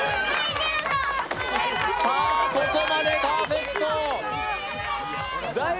さあ、ここまでパーフェクト。